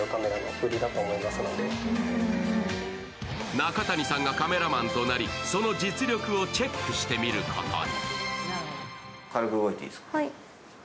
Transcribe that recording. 中谷さんがカメラマンとなり、その実力をチェックしてみることに。